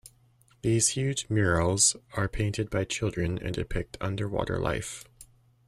These huge murals are painted by children and depict underwater life.